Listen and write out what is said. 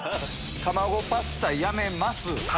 たまごパスタやめます。